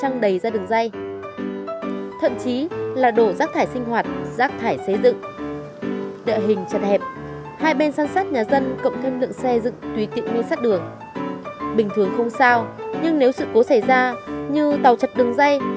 nhưng nếu sự cố xảy ra như tàu chật đường dây